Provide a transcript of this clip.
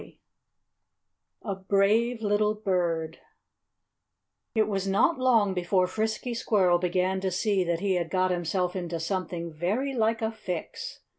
VII A Brave Little Bird It was not long before Frisky Squirrel began to see that he had got himself into something very like a fix.